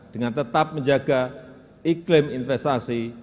dengan tetap menjaga iklim investasi